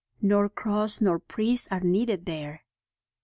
Nor cross nor priest are needed there.